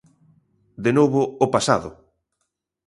De novo, o pasado.